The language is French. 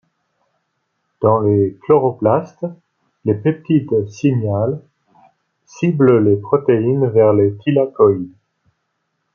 Dans les chloroplastes, les peptides signal ciblent les protéines vers les thylakoïdes.